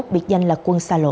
biệt danh là quân sa lộ